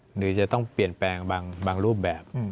หรือจะต้องเปลี่ยนแปลงบางรูปแบบ